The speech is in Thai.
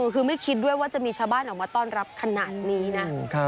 คือไม่คิดด้วยว่าจะมีชาวบ้านออกมาต้อนรับขนาดนี้นะ